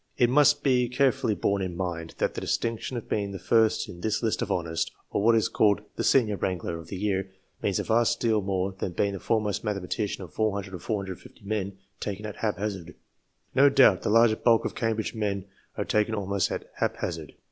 It must be carefully borne in mind that the distinction of being the first in this list of honours, or what is called the senior . wrangler of the year, means a vast deal more than being the foremost mathematician of 400 or 450 men taken at hap hazard. No doubt the large bulk of Cambridge men are taken almost at hap hazard.